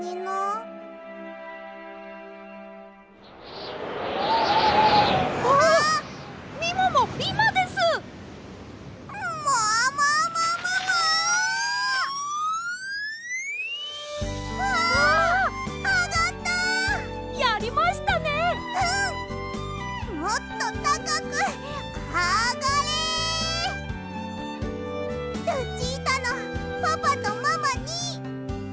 ルチータのパパとママにとどけ！